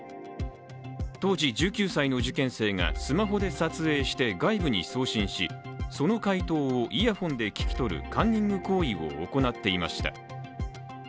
当時１９歳の受験生がスマホで撮影して外部に送信しその解答をイヤホンで聞き取るカンニング行為を行っていました。